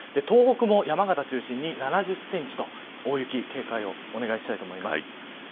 東北も山形を中心に７０センチと大雪に警戒をお願いします。